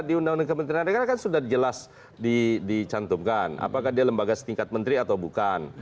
di undang undang kementerian negara kan sudah jelas dicantumkan apakah dia lembaga setingkat menteri atau bukan